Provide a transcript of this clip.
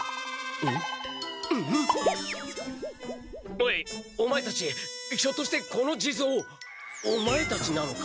おいオマエたちひょっとしてこのじぞうオマエたちなのか？